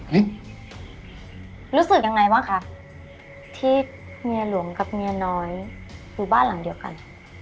รู้สึกยังไงบ้างคะที่เมียหลวงกับเมียน้อยอยู่บ้านหลังเดียวกัน